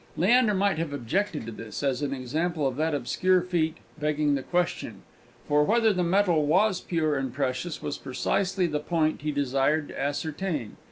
Leander might have objected to this as an example of that obscure feat, "begging the question;" for, whether the metal was pure and precious, was precisely the point he desired to ascertain.